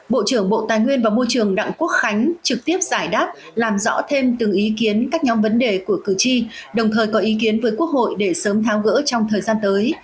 bộ trưởng bộ tài nguyên và môi trường đặng quốc khánh trực tiếp giải đáp làm rõ thêm từng ý kiến các nhóm vấn đề của cử tri đồng thời có ý kiến với quốc hội để sớm tháo gỡ trong thời gian tới